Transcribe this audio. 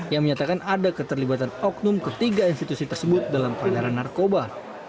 yang menyatakan ada keterlibatan oknum ketiga institusi tersebut dalam peredaran narkoba